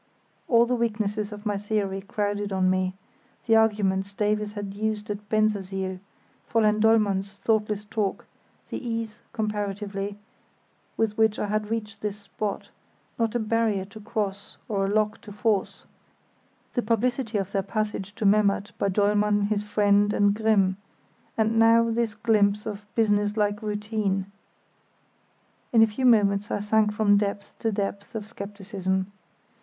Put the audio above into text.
All the weaknesses of my theory crowded on me—the arguments Davies had used at Bensersiel; Fräulein Dollmann's thoughtless talk; the ease (comparatively) with which I had reached this spot, not a barrier to cross or a lock to force; the publicity of their passage to Memmert by Dollmann, his friend, and Grimm; and now this glimpse of business like routine. In a few moments I sank from depth to depth of scepticism.